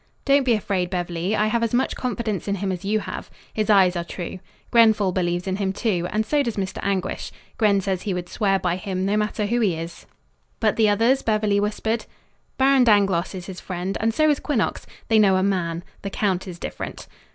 "Don't be afraid, Beverly. I have as much confidence in him as you have. His eyes are true. Grenfall believes in him, too, and so does Mr. Anguish. Gren says he would swear by him, no matter who he is." "But the others?" Beverly whispered. "Baron Dangloss is his friend, and so is Quinnox. They know a man. The count is different."